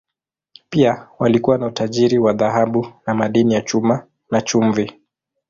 Pia walikuwa na utajiri wa dhahabu na madini ya chuma, na chumvi.